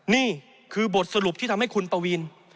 นี่คือบทสรุปที่ทำให้คุณปวีน